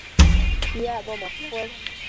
Piacbo macuës